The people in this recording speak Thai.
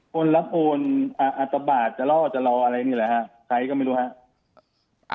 คนละคนอัตบาทจะล่อจะรออะไรนี่แหละฮะใครก็ไม่รู้ฮะ